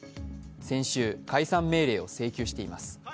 先週、解散命令を請求しています。